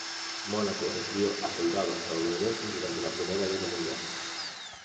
Mónaco recibió a soldados estadounidenses durante la Primera Guerra Mundial.